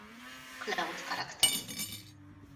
Cloud karakterét.